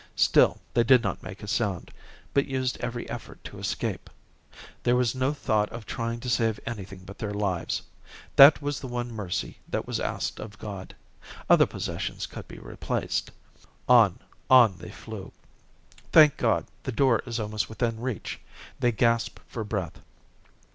Still they did not make a sound, but used every effort to escape. There was no thought of trying to save anything but their lives. That was the one mercy that was asked of God. Other possessions could be replaced. On, on they flew. Thank God, the door is almost within reach. They gasp for breath.